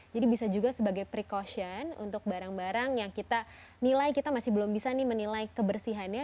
jadi bisa juga sebagai precaution untuk barang barang yang kita nilai kita masih belum bisa menilai kebersihannya